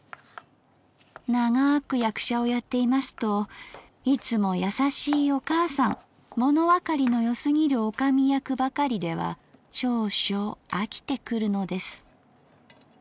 ながく役者をやっていますといつもやさしいお母さんものわかりのよすぎる女将役ばかりでは少々あきてくるのです」